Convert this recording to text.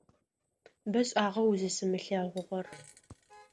Бэшӏагъэ узысымылъэгъугъэр.